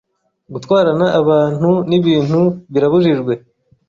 Gutwarana abantu n’ibintu birabujijwe.